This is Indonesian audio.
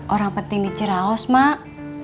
orang penting di ceraos mak